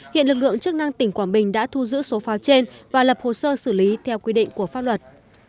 hiện lực lượng chức năng tỉnh quảng bình đã thu giữ số pháo trên và lập hồ sơ xử lý theo quy định của pháp luật